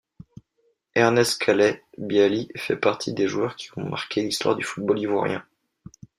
Ernest Kallet Bialy fait partie des joueurs qui ont marqué l'histoire du football ivoirien.